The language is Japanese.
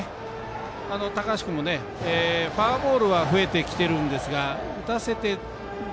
高橋君もフォアボールは増えてきているんですが打たせてる